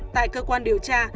tại cơ quan điều tra